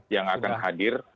yang akan hadir